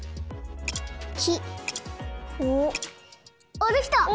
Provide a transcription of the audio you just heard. あっできた！